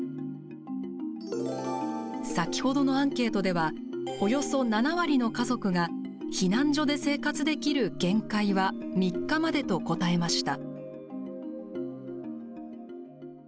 先ほどのアンケートではおよそ７割の家族が避難所で生活できる限界は３日までと答えました。